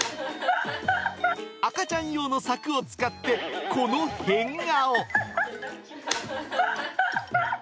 赤ちゃん用の柵を使って、この変顔。